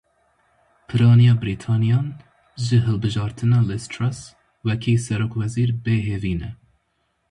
Piraniya Brîtaniyan ji hilbijartina Liz Truss wekî serokwezîr bêhêvî ne.